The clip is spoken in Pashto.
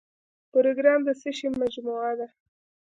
پروګرام د څه شی مجموعه ده؟